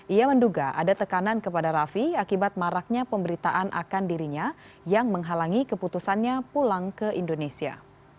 ia menduga ada tekanan kepada rafi akibat maraknya pemberitaan akan dirinya yang menghalangi keputusannya pulang ke indonesia